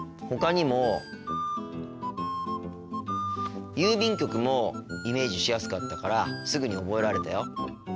ほかにも郵便局もイメージしやすかったからすぐに覚えられたよ。